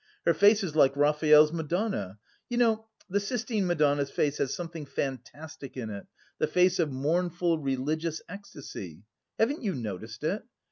Her face is like Raphael's Madonna. You know, the Sistine Madonna's face has something fantastic in it, the face of mournful religious ecstasy. Haven't you noticed it?